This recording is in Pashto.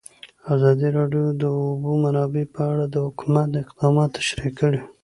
ازادي راډیو د د اوبو منابع په اړه د حکومت اقدامات تشریح کړي.